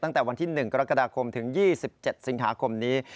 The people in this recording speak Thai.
ตั้งแต่วันที่๑กรกฎาคมถึง๒๗สิงหาคมนี้